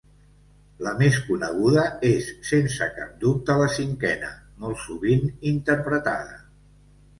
La més coneguda és sense cap dubte la cinquena, molt sovint interpretada.